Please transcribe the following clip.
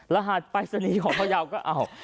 รหัสไปสนีของพญาวก็